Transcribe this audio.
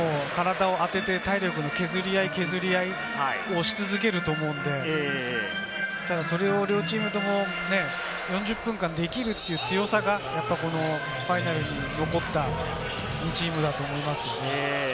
お互い、体を当てて体力の削り合い、削り合いをし続けると思うので、それを両チームとも４０分間できるという強さが、このファイナルに残った両チームだと思いますね。